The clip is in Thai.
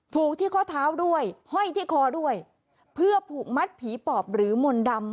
ผูกที่ข้อเท้าด้วยห้อยที่คอด้วยเพื่อผูกมัดผีปอบหรือมนต์ดำ